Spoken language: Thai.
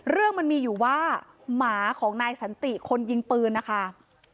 เรื่องมันมีอยู่ว่าหมาของนายสันติคนยิงปืนนะคะ